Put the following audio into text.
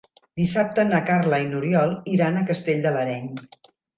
Dissabte na Carla i n'Oriol iran a Castell de l'Areny.